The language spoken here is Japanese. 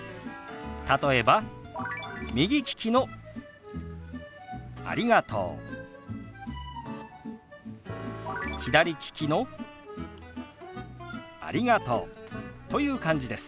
例えば右利きの「ありがとう」左利きの「ありがとう」という感じです。